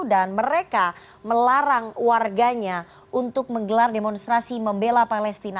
dan mereka melarang warganya untuk menggelar demonstrasi membela palestina